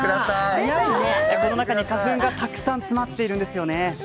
この中に花粉がたくさん詰まっているんですよね。